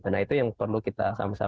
nah itu yang perlu kita sampaikan